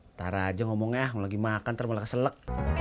ntar aja ngomongnya mau lagi makan ntar mulai keselak